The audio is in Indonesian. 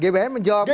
gbhn menjawab itu